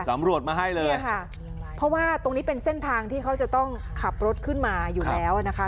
สำรวจมาให้เลยใช่ค่ะเพราะว่าตรงนี้เป็นเส้นทางที่เขาจะต้องขับรถขึ้นมาอยู่แล้วอ่ะนะคะ